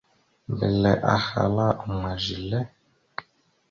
Mbelle ahala: « Ma zelle? ».